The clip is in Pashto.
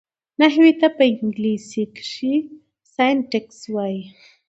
نحوي ته په انګلېسي کښي Syntax وایي.